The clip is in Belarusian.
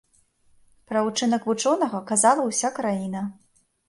Пра ўчынак вучонага казала ўся краіна.